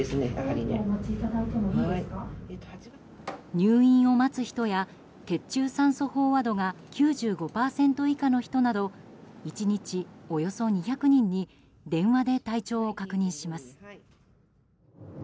入院を待つ人や血中酸素飽和度が９５％以下の人など１日およそ２００人に電話で体調を確認します。